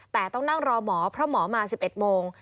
แต่ต้องนั่งรอหมอเพราะหมอมา๑๑โมง